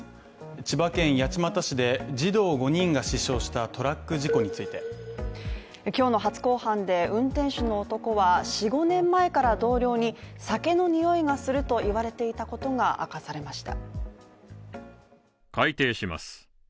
千葉県八街市で児童５人が死傷したトラック事故について今日の初公判で運転手の男は４５年前から同僚に、酒の臭いがすると言われていたことが明かされました。